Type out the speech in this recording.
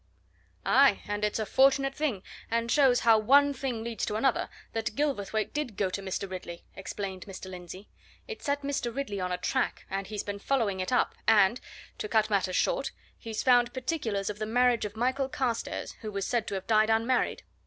"Aye; and it's a fortunate thing and shows how one thing leads to another that Gilverthwaite did go to Mr. Ridley!" explained Mr. Lindsey. "It set Mr. Ridley on a track, and he's been following it up, and to cut matters short he's found particulars of the marriage of Michael Carstairs, who was said to have died unmarried.